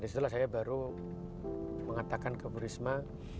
disitulah saya baru mengatakan ke bu risma